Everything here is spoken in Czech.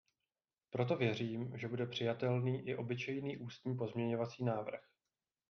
Proto věřím, že bude přijatelný i obyčejný ústní pozměňovací návrh.